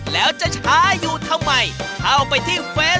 แล้วจะช้าอยู่ทำไม